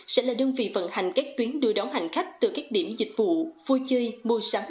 sẽ là đơn vị vận hành các tuyến đưa đón hành khách từ các điểm dịch vụ vui chơi mua sắm